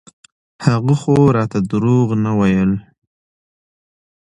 هغه خو راته دروغ نه ويل.